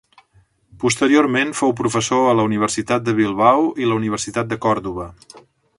Posteriorment fou professor a la Universitat de Bilbao i la Universitat de Còrdova.